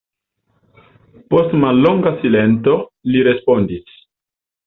Post mallonga silento, li respondis: